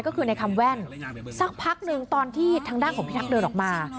ก็คือในคำแว่นสักพักหนึ่งตอนที่ทางด้านของพิทักษเดินออกมา